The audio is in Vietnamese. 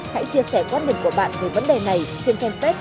hãy chia sẻ quan điểm của bạn về vấn đề này trên kênh fed